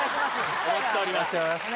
お待ちしております。